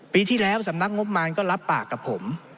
ปีที่แล้วสำนักงบมารก็รับปากกับผม